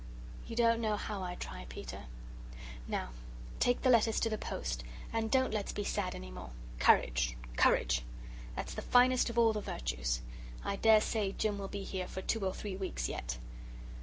You don't know how I try, Peter. Now take the letters to the post, and don't let's be sad any more. Courage, courage! That's the finest of all the virtues! I dare say Jim will be here for two or three weeks yet."